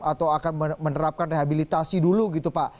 atau akan menerapkan rehabilitasi dulu gitu pak